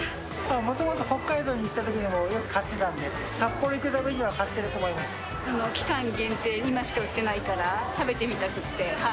もともと北海道に行ったときにもよく買ってたんで、札幌行く期間限定、今しか売ってないから、食べてみたくって。